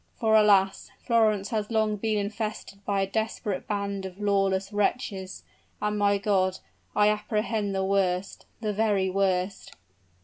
"For, alas! Florence has long been infested by a desperate band of lawless wretches and my God! I apprehend the worst the very worst."